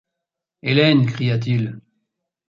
Hélène! cria-t-il.